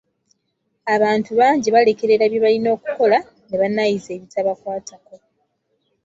Abantu bangi balekerera bye balina okukola ne banaayiza ebitabakwatako.